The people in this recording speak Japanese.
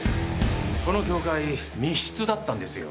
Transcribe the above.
この教会、密室だったんですよ。